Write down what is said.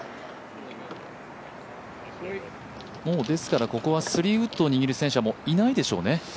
もうですからここは３ウッドを握る選手はいないでしょうね？